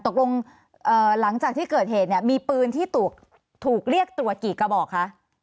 หลังจากที่เกิดเหตุเนี่ยมีปืนที่ถูกเรียกตรวจกี่กระบอกคะ